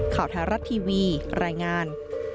ข่าวแท้รัฐทีวีรายงาน